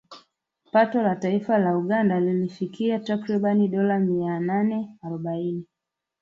Pato la taifa la Uganda lilifikia takriban dola mia nane arubaini